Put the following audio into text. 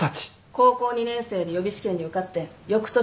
高校２年生で予備試験に受かって翌年に司法試験合格。